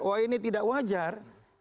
wah ini tidak wajar